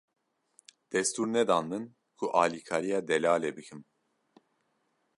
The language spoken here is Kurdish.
Destûr nedan min ku alikariya Delalê bikim.